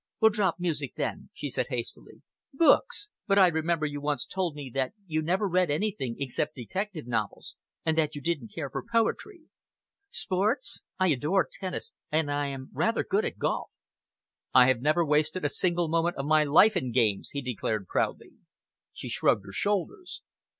"We'll drop music, then," she said hastily. "Books? But I remember you once told me that you had never read anything except detective novels, and that you didn't care for poetry. Sports? I adore tennis and I am rather good at golf." "I have never wasted a single moment of my life in games," he declared proudly. She shrugged her shoulders.